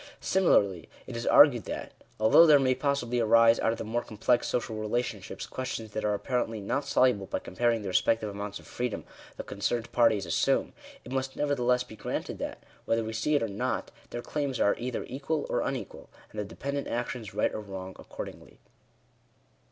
Similarly, it is argued that, although there may possibly arise out of the more complex social relationships, questions that are apparently not soluble by comparing the respective amounts of freedom the concerned parties assume, it must nevertheless be granted that, whether we see it or not, their claims are either equal or unequal, and the dependent actions right or wrong accordingly.